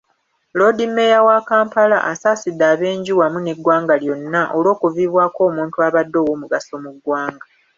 Loodimmeeya wa Kampala, asaasidde ab'enju wamu n'eggwanga lyonna olw'okuviibwako omuntu abadde ow'omugaso mu ggwanga.